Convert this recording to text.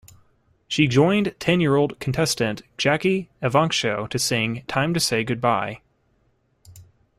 She joined ten-year-old contestant Jackie Evancho to sing "Time to Say Goodbye".